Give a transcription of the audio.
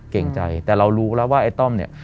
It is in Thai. เก่งใจแต่เรารู้แล้วว่าไอ้ต้อมเนี่ย